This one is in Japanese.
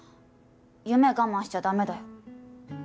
夢我慢しちゃダメだよ